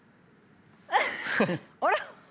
あれ？